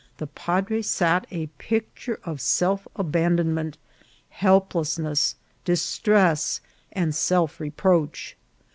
The padre sat a picture of self abandonment, helplessness, distress, and self re proach.